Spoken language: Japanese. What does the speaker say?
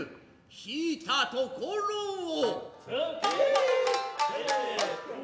引いたところを。